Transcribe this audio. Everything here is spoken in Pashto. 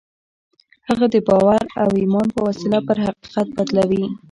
هغه د باور او ايمان په وسيله پر حقيقت بدلوي.